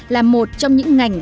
là một trong những ngành